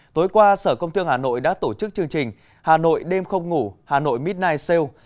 tối qua sở công thương hà nội đã tổ chức chương trình hà nội đêm không ngủ hà nội midnight sale